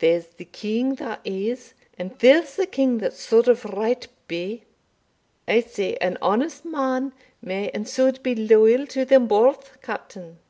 There's the king that is and there's the king that suld of right be I say, an honest man may and suld be loyal to them both, Captain.